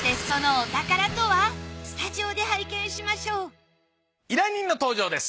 スタジオで拝見しましょう依頼人の登場です！